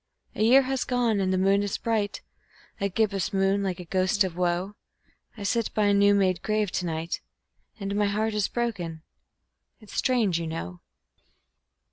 A year has gone and the moon is bright, A gibbous moon, like a ghost of woe; I sit by a new made grave to night, And my heart is broken it's strange, you know.